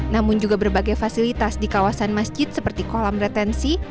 namun juga berbagai fasilitas di kawasan masjid seperti kolam retensi